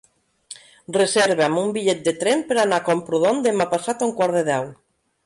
Reserva'm un bitllet de tren per anar a Camprodon demà passat a un quart de deu.